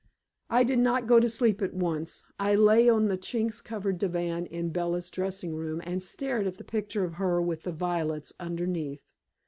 I did not go to sleep at once. I lay on the chintz covered divan in Bella's dressing room and stared at the picture of her with the violets underneath.